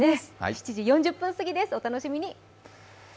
７時４０分すぎです、お楽しみに。